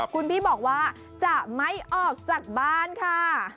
คุณพี่บอกว่าจะไม่ออกจากบ้านค่ะ